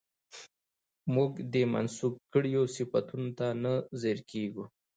موږ دې منسوب کړيو صفتونو ته نه ځير کېږو